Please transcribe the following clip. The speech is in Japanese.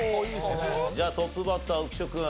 じゃあトップバッター浮所君。